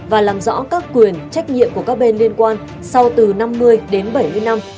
và làm rõ các quyền trách nhiệm của các bên liên quan sau từ năm mươi đến bảy mươi năm